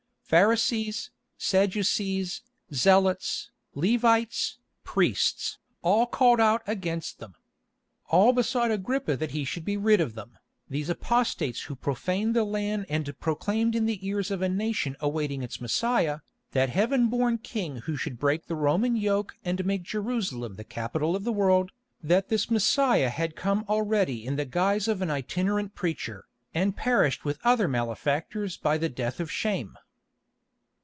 Pharisees, Sadducees, Zealots, Levites, priests, all called out against them. All besought Agrippa that he would be rid of them, these apostates who profaned the land and proclaimed in the ears of a nation awaiting its Messiah, that Heaven born King who should break the Roman yoke and make Jerusalem the capital of the world, that this Messiah had come already in the guise of an itinerant preacher, and perished with other malefactors by the death of shame.